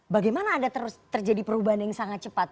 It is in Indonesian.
bagaimana ada terus terjadi perubahan yang sangat cepat